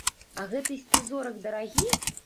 А гэты сцізорык дарагі?